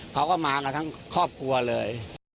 เขาก็มากันทั้งครอบครัวเลย